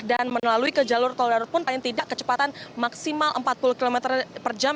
dan melalui ke jalur tol darurat pun paling tidak kecepatan maksimal empat puluh km per jam